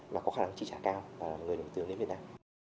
mà có khả năng trị trả cao và người nổi tiếng đến việt nam